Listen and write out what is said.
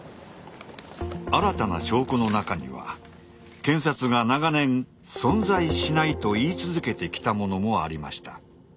新たな証拠の中には検察が長年「存在しない」と言い続けてきたものもありました。